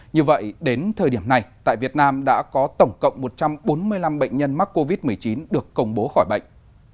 như vậy đến thời điểm này tại việt nam đã có tổng cộng một trăm bốn mươi năm bệnh nhân mắc covid một mươi chín được công bố khỏi bệnh